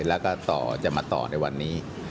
แล้วก็ต่อจะมาต่อในวันนี้